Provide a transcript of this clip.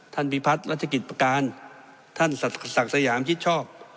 ท่านพิพัทธ์รัฐกิจประการท่านศักริยามชิชชอก